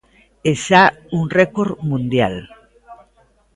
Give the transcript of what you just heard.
É xa un récord mundial.